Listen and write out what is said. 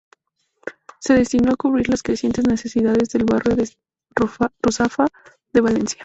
Se destinó a cubrir las crecientes necesidades del barrio de Ruzafa de Valencia.